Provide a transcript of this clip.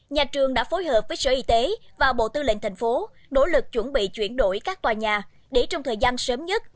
nhà trường đã phối hợp với sở y tế và bộ tư lệnh thành phố nỗ lực chuẩn bị chuyển đổi các tòa nhà để trong thời gian sớm nhất